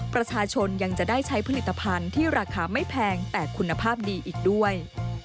ประชาชนยังจะได้ใช้ผลิตภัณฑ์ที่ราคาไม่แพงแต่คุณภาพดีอีกด้วย